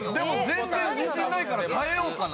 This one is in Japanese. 全然自信ないから変えようかな。